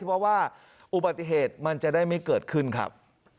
เพราะว่าอุบัติเหตุมันจะได้ไม่เกิดขึ้นครับ